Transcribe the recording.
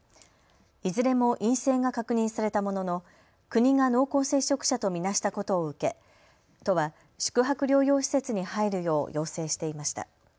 いずれも陰性が確認されたものの国が濃厚接触者と見なしたことを受け都は宿泊療養施設に入るよう要請していました。